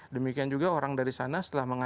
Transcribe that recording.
demikian juga orang dari sana setelah mengatakan